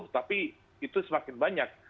tapi itu semakin banyak